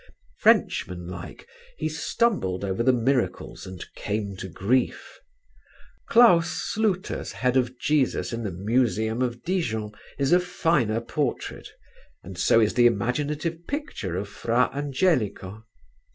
Frenchman like, he stumbled over the miracles and came to grief. Claus Sluter's head of Jesus in the museum of Dijon is a finer portrait, and so is the imaginative picture of Fra Angelico.